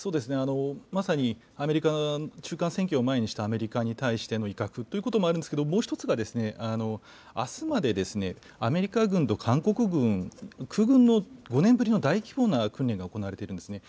まさにアメリカ、中間選挙を前にしたアメリカに対しての威嚇ということもあるんですけれども、もう１つが、あすまでアメリカ軍と韓国軍、空軍の５年ぶりの大規模な訓練が行われているんですね。